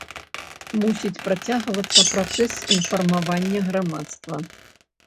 Мусіць працягвацца працэс інфармавання грамадства.